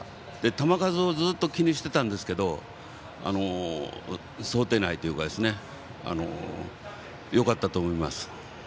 球数をずっと気にしていたんですけども想定内というかですねよかったと思います。